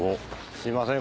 すいません